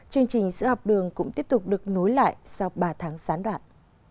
chương trình sữa học đường cũng tiếp tục được nối lại sau ba tháng gián đoạn